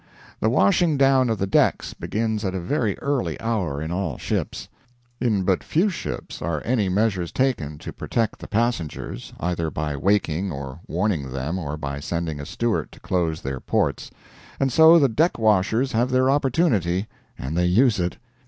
The washing down of the decks begins at a very early hour in all ships; in but few ships are any measures taken to protect the passengers, either by waking or warning them, or by sending a steward to close their ports. And so the deckwashers have their opportunity, and they use it.